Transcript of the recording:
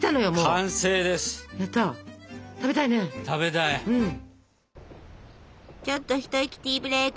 食べたいね！